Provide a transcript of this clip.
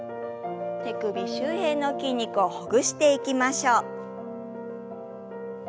手首周辺の筋肉をほぐしていきましょう。